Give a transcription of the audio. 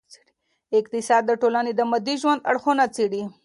اقتصاد د ټولني د مادي ژوند اړخونه څېړي.